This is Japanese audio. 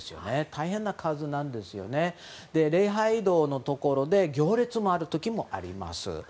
大変な数なんですが礼拝堂のところで行列がある時もあります。